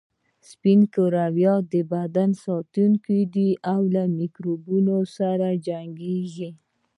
سپین کرویات د بدن ساتونکي دي او له میکروبونو سره جنګیږي